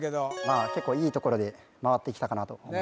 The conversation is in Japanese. あ結構いいところで回ってきたかなと思います